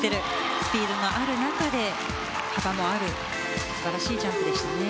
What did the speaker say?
スピードのある中で幅もある素晴らしいジャンプでしたね。